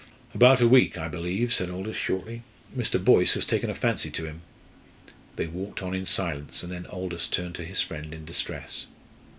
"About a week, I believe," said Aldous, shortly. "Mr. Boyce has taken a fancy to him." They walked on in silence, and then Aldous turned to his friend in distress.